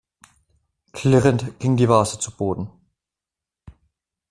Klirrend ging die Vase zu Boden.